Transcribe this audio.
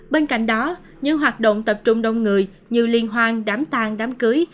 bên cạnh đó những hoạt động tập trung đông người như liên hoan đám tàn đám cưới